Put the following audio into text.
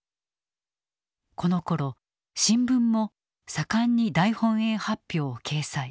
このころ新聞も盛んに大本営発表を掲載。